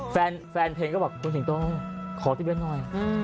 แฟนเพลงก็บอกคุณสิงโตขอติเวนหน่อย